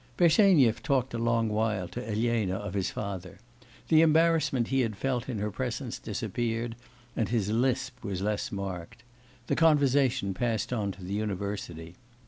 Bersenyev talked a long while to Elena of his father. The embarrassment he had felt in her presence disappeared, and his lisp was less marked. The conversation passed on to the university.